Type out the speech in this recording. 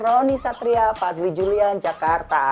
roni satria fadli julian jakarta